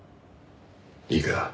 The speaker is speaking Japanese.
いいか？